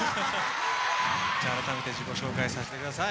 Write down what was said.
じゃあ改めて自己紹介させてください。